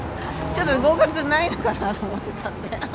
ちょっと合格はないのかな？と思ってたんで。